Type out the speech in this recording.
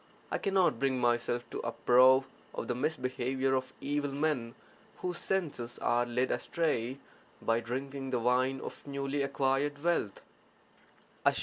I cannot bring myself to approve of the misbehaviour of evil men whose senses are led astray by drinking the wine of newly acquired wealth.